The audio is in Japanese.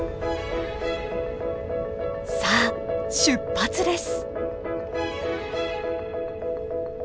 さあ出発です！